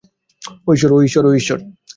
ওহ, ঈশ্বর!